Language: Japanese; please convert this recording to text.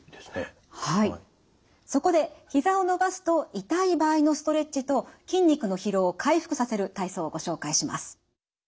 そこでひざを伸ばすと痛い場合のストレッチと筋肉の疲労を回復させる体操をご紹介します。